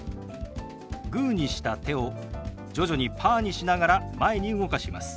グーにした手を徐々にパーにしながら前に動かします。